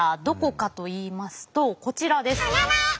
どこかと言いますとこちらです。